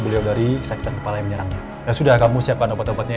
beliau dari sakit kepala yang menyerang ya udah kamu siapkan obat obatnya ya